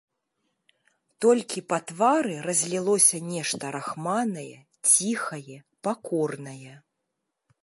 Толькі па твары разлілося нешта рахманае, ціхае, пакорнае.